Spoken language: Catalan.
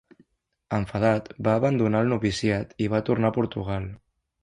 Enfadat, va abandonar el noviciat i va tornar a Portugal.